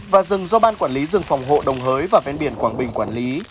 và rừng do ban quản lý rừng phòng hộ đồng hới và ven biển quảng bình quản lý